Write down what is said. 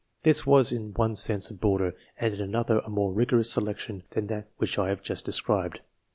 This was in one sense a broader, and in another a more rigorous selection than that which I have just described.